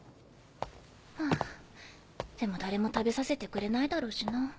はぁでも誰も食べさせてくれないだろうしな。